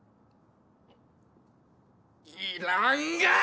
いらんがー！